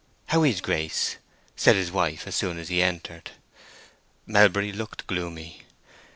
"How is Grace?" said his wife, as soon as he entered. Melbury looked gloomy.